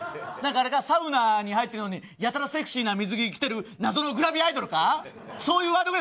サウナに入ってるのにやたらセクシーな水着着てる謎のグラビアアイドルか。